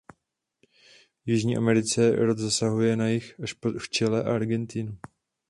V Jižní Americe rod zasahuje na jih až po Chile a Argentinu.